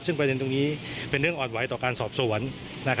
ซึ่งประเด็นตรงนี้เป็นเรื่องอ่อนไหวต่อการสอบสวน